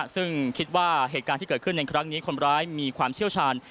ซึ่งคิดว่าเหตุการณ์ที่เกิดขึ้นในครั้งนี้คนร้ายมีความเชี่ยวชาญ